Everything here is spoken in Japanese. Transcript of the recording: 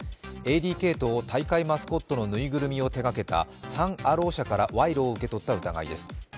ＡＤＫと大会マスコットのぬいぐるみを手がけた、サン・アローから賄賂を受け取った疑いです。